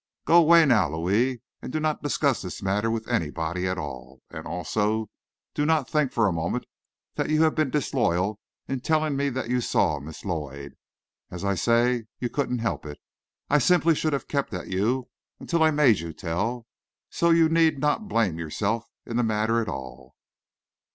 Go away now, Louis, and do not discuss this matter with anybody at all. And, also, do not think for a moment that you have been disloyal in telling me that you saw Miss Lloyd. As I say, you couldn't help it. I should simply have kept at you until I made you tell, so you need not blame yourself in the matter at all."